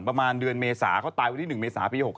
ประมาณเดือนเมษาเขาตายวันที่๑เมษาปี๖๓